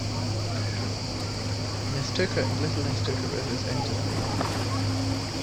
The Nestucca and Little Nestucca rivers enter the bay.